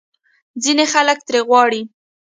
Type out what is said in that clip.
ځینې خلک ترې غواړي